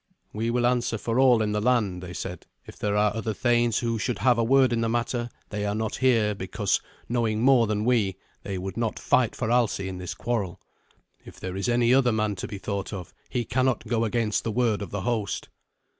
"We will answer for all in the land," they said. "If there are other thanes who should have had a word in the matter, they are not here because, knowing more than we, they would not fight for Alsi in this quarrel. If there is any other man to be thought of, he cannot go against the word of the host."